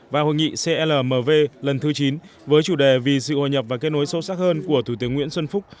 và hội nghị clmv lần thứ chín với chủ đề vì sự hòa nhập và kết nối sâu sắc hơn của thủ tướng nguyễn xuân phúc